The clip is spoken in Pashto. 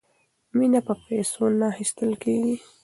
مینه په پیسو نه اخیستل کیږي.